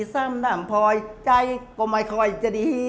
ซ้ำน้ำพอยใจก็ไม่ค่อยจะดี